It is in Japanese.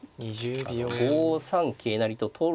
５三桂成と取る。